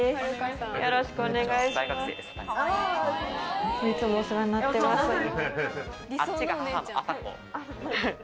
よろしくお願いします。